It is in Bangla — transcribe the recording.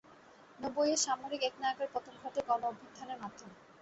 নব্বইয়ে সামরিক একনায়কের পতন ঘটে গণ অভ্যুত্থানের মাধ্যমে।